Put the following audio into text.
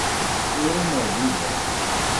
Ur am-ɛjibeɣ.